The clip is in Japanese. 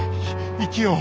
生きよう。